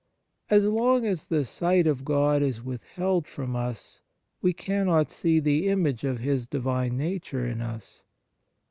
As long as the sight of God is withheld from us we cannot see the image of His Divine Nature in us.